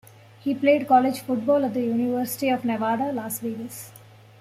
He played college football at the University of Nevada, Las Vegas.